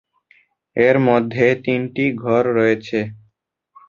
এর মধ্যে তিনটি ঘর রয়েছে।